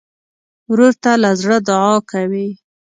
ورور ته له زړه دعا کوې.